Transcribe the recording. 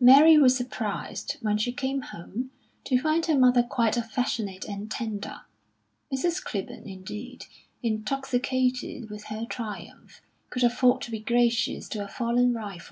Mary was surprised, when she came home, to find her mother quite affectionate and tender. Mrs. Clibborn, indeed, intoxicated with her triumph, could afford to be gracious to a fallen rival.